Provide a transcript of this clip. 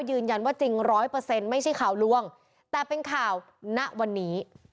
ยืนยันว่าจริง๑๐๐ไม่ใช่ข่าวร่วงแต่เป็นข่าวณวันนี้